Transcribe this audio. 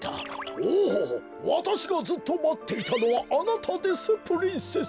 おおわたしがずっとまっていたのはあなたですプリンセス。